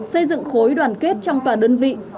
xây dựng khối đoàn kết trong tòa đơn vị